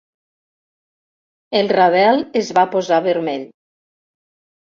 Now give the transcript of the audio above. El Ravel es va posar vermell.